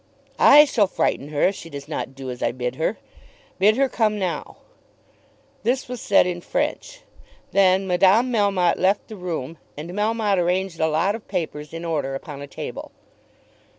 "I shall frighten her if she does not do as I bid her. Bid her come now." This was said in French. Then Madame Melmotte left the room, and Melmotte arranged a lot of papers in order upon a table.